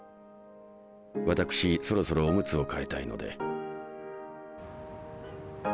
私そろそろオムツを替えたいので。